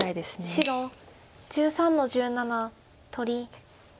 白１３の十七取り。